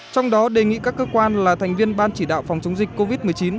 trong đó đề nghị các cơ quan là thành viên ban chỉ đạo phòng chống dịch covid một mươi chín